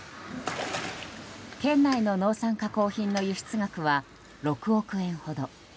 県内の農産加工品の輸出額は６億円ほど。